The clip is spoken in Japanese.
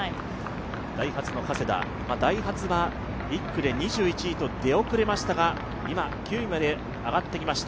ダイハツの加世田、ダイハツは１区で２１位と出遅れましたが今、９位まで上がってきました。